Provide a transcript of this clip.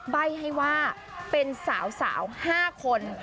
ใบ้ให้ว่าเป็นสาว๕คน